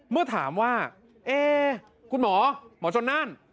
เมื่อถามว่าเอ๊คุณหมอหมอชนนั่น